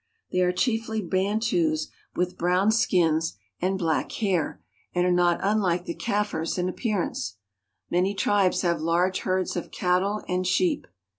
They are chiefly Bantus with brown skins ^^H and black hair, and are not unlike the Kaffirs in appear ^^H ance. Many tribes have large herds of cattle and sheep.